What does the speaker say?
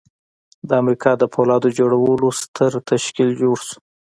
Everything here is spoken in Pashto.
د امریکا د پولاد جوړولو ستر تشکیل جوړ شو